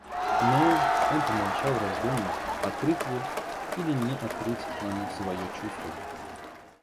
Но... — он помолчал в раздумьи, открыть ли или не открыть ему свое чувство.